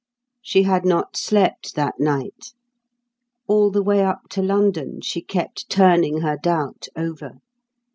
She had not slept that night. All the way up to London, she kept turning her doubt over.